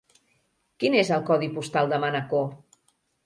Quin és el codi postal de Manacor?